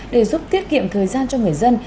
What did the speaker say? để giúp tiết kiệm thời gian cho người dân